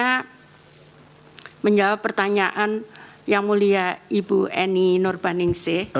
kita akan menjawab pertanyaan yang mulia ibu eni nur baningsih